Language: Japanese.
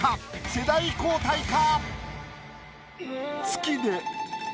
世代交代か？